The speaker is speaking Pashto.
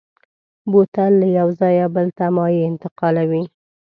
بوتل له یو ځایه بل ته مایع انتقالوي.